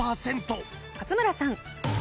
勝村さん。